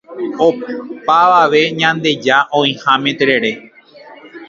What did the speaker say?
Opavavéva ñandeja oĩháme terere.